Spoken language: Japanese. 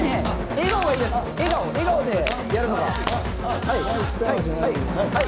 笑顔、笑顔でやるのが。